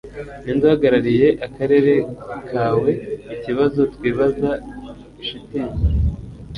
Ninde uhagarariye akarere kaweikibazo twibaza (shitingi)